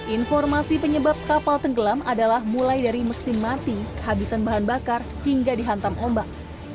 informasi penyebab kapal tenggelam adalah mulai dari mesin mati kehabisan bahan bakar hingga dihantam ombak